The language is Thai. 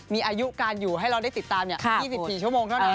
มีอายุการอยู่ให้เราได้ติดตาม๒๔ชั่วโมงเท่านั้น